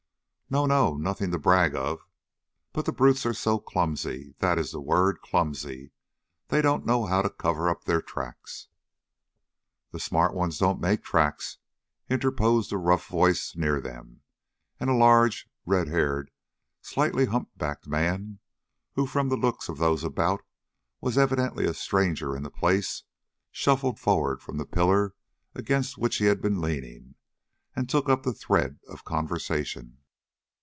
"No, no nothing to brag of. But the brutes are so clumsy that is the word, clumsy. They don't know how to cover up their tracks." "The smart ones don't make tracks," interposed a rough voice near them, and a large, red haired, slightly hump backed man, who, from the looks of those about, was evidently a stranger in the place, shuffled forward from the pillar against which he had been leaning, and took up the thread of conversation.